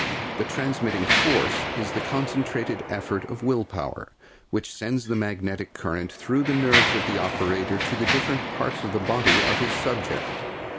The transmitting force is the concentrated effort of will power, which sends the magnetic current through the nerves of the operator to the different parts of the body of his subject.